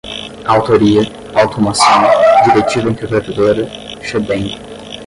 autoria, automação, diretiva interpretadora, shebang